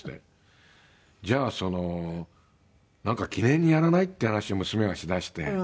じゃあその「なんか記念にやらない？」っていう話を娘がしだして。